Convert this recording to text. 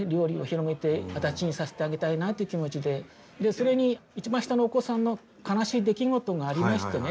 それに一番下のお子さんの悲しい出来事がありましてね。